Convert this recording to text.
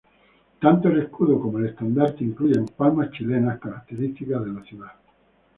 Tanto el escudo como el estandarte incluyen palmas chilenas, características de la ciudad.